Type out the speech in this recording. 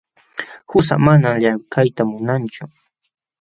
Qusaa manam llamkayta munanchu.